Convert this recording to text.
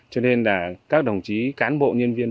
cho nên là các đồng chí cán bộ nhân viên